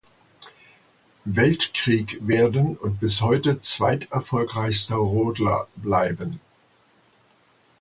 Weltkrieg werden und bis heute zweiterfolgreichster Rodler bleiben.